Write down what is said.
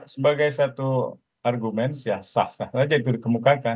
sebagai satu argumen ya sah sah saja itu dikemukakan